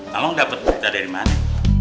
malu dapet berita dari mana